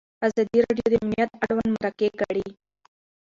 ازادي راډیو د امنیت اړوند مرکې کړي.